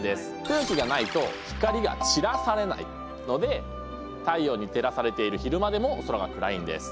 空気がないと光が散らされないので太陽に照らされている昼間でも空が暗いんです。